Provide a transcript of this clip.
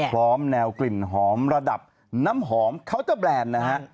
พร้อมแนวกลิ่นหอมระดับน้ำหอมเคาน์เตอร์แบรนด์นะฮะ